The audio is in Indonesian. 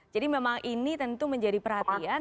memang ini tentu menjadi perhatian